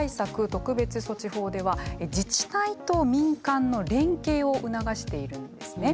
特別措置法では自治体と民間の連携を促しているんですね。